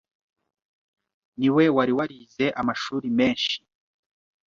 niwe wari warize amashuri menshi